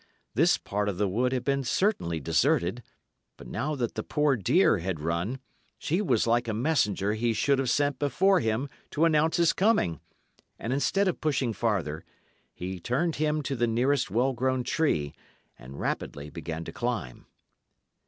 This part of the wood had been certainly deserted, but now that the poor deer had run, she was like a messenger he should have sent before him to announce his coming; and instead of pushing farther, he turned him to the nearest well grown tree, and rapidly began to climb.